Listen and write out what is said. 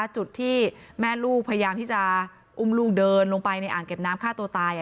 จุดที่แม่ลูกพยายามที่จะอุ้มลูกเดินลงไปในอ่างเก็บน้ำฆ่าตัวตาย